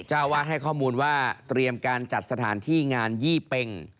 เจ้าวัฒน์ให้ข้อมูลว่าเรียนกันจัดสถานที่งานยี่เพ่ง